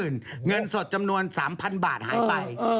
เงินสดจำนวน๓๐๐๐บาทหายไป